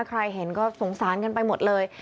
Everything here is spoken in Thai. ใครเห็นก็สงสารกันไปหมดเลย